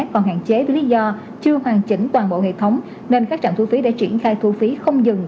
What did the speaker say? còn hạn chế với lý do chưa hoàn chỉnh toàn bộ hệ thống nên các trạm thu phí đã triển khai thu phí không dừng